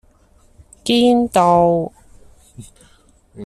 堅道